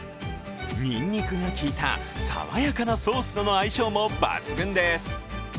にんにくが効いた爽やかなソースとの相性も抜群です。